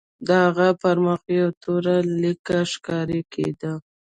د هغه په مخ یوه توره لیکه ښکاره کېده